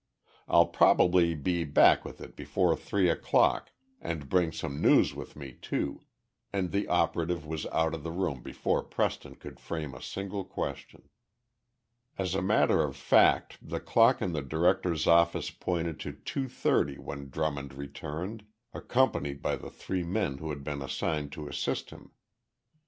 I'll probably be back with it before three o'clock and bring some news with me, too," and the operative was out of the room before Preston could frame a single question. As a matter of fact, the clock in the director's office pointed to two thirty when Drummond returned, accompanied by the three men who had been assigned to assist him.